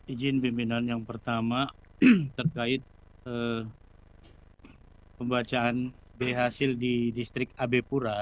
izin pimpinan yang pertama terkait pembacaan b hasil di distrik abe pura